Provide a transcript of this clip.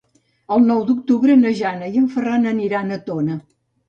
El nou d'octubre na Jana i en Ferran aniran a Tona.